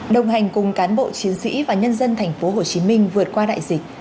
đồng hành cùng cán bộ chiến sĩ và nhân dân thành phố hồ chí minh vượt qua đại dịch